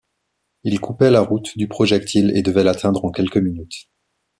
Il coupait la route du projectile et devait l’atteindre en quelques minutes.